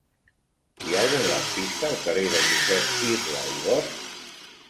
Hi ha algun lampista al carrer de Josep Irla i Bosch?